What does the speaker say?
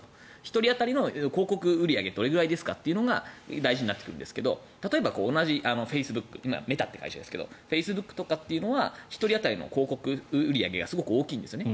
１人当たりの広告売り上げがどれくらいですかというのが大事になってくるんですが例えば、同じフェイスブックメタという会社ですがフェイスブックとかというのは１人当たりの広告売り上げがすごく大きいんですね。